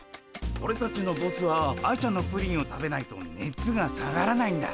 オレたちのボスは愛ちゃんのプリンを食べないとねつが下がらないんだ。